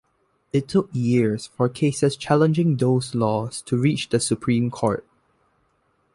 It took years for cases challenging those laws to reach the Supreme Court.